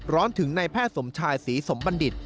ถึงในแพทย์สมชายศรีสมบัณฑิต